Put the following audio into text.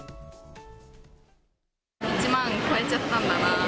１万超えちゃったんだなと。